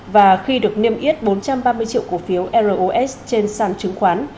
và khi được niêm yết bốn trăm ba mươi triệu cổ phiếu ros trên sàn chứng khoán